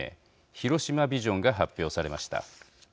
広島ビジョンが発表されました。